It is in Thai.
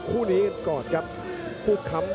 พ่อพี่เขา